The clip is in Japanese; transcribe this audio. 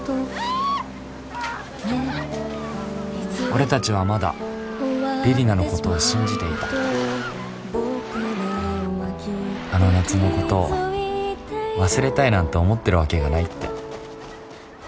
俺たちはまだ李里奈のことを信じていたあの夏のことを忘れたいなんて思ってるわけがないって